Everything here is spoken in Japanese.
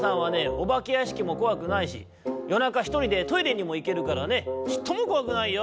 おばけやしきもこわくないしよなかひとりでトイレにもいけるからねちっともこわくないよ」。